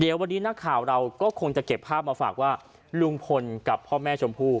เดี๋ยววันนี้นักข่าวเราก็คงจะเก็บภาพมาฝากว่าลุงพลกับพ่อแม่ชมพู่